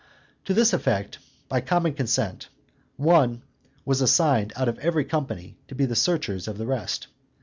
To this effect, by common consent, one was assigned out of every company to be searchers of the rest.